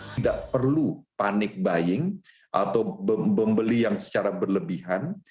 tidak perlu panik buying atau membeli yang secara berlebihan